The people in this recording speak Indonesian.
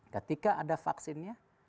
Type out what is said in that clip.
ketika ada vaksinnya